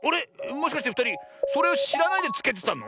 もしかしてふたりそれをしらないでつけてたの？